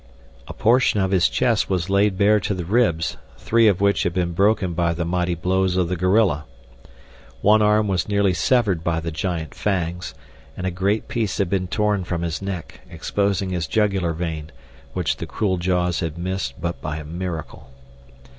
A portion of his chest was laid bare to the ribs, three of which had been broken by the mighty blows of the gorilla. One arm was nearly severed by the giant fangs, and a great piece had been torn from his neck, exposing his jugular vein, which the cruel jaws had missed but by a miracle.